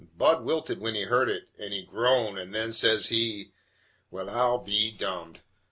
Budd wilted when he heard it, and he groaned, and then, says he: "Well, I'll be dummed!